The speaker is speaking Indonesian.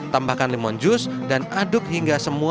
tambahkan lemon jus dan aduk hingga semuanya